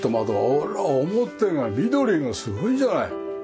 あら表が緑がすごいじゃない！